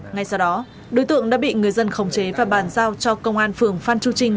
ngay sau đó đối tượng đã bị người dân khống chế và bàn giao cho công an phường phan chu trinh